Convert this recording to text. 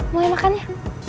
mulai makan ya